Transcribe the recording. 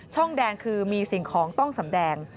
แดงคือมีสิ่งของต้องสำแดง